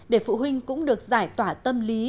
để phụ huynh cũng được giải tỏa tâm lý